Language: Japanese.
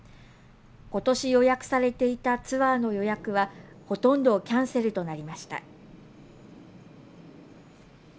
今年、予約されていたツアーの予約はほとんどキャンセルとなりました。